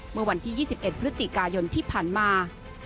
เมื่อวันที่๒๑พฤศจิกายนที่ผ่านมา